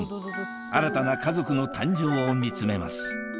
新たな家族の誕生を見つめます